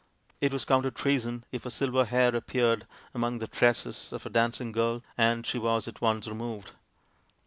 It was counted treason if a silver hair appeared among the tresses of a dancing girl, and she was at once removed.